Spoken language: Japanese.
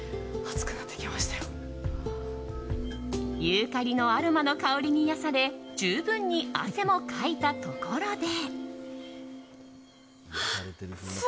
ユーカリのアロマの香りに癒やされ十分に汗もかいたところで。